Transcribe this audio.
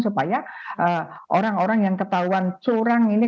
supaya orang orang yang ketahuan curang ini